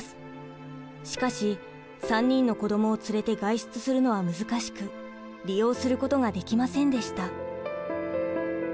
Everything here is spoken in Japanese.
しかし３人の子どもを連れて外出するのは難しく利用することができませんでした。